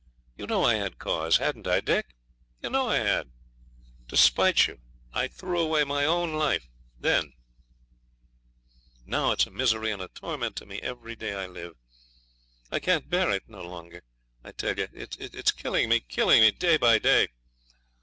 You know I had cause, hadn't I, Dick? You know I had. To spite you, I threw away my own life then; now it's a misery and a torment to me every day I live. I can bear it no longer, I tell you. It's killing me killing me day by day.